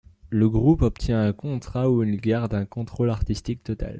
Le groupe obtient un contrat où il garde un contrôle artistique total.